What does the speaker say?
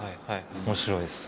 面白いですね。